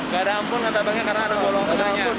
gak ada ampun kata bang ya karena ada golong tengahnya